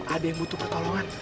ada yang butuh pertolongan